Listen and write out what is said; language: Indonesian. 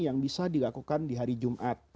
yang bisa dilakukan di hari jumat